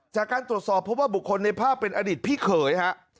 จากการตรวจสอบพบว่าบุคคลในภาพเป็นอดิษฐ์พี่เขย